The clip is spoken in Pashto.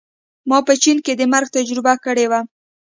ما په چین کې د مرګ تجربه کړې وه